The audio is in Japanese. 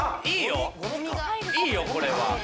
いいよこれは。